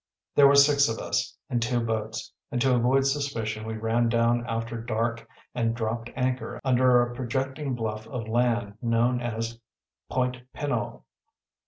There were six of us, in two boats, and to avoid suspicion we ran down after dark and dropped anchor under a projecting bluff of land known as Point Pinole.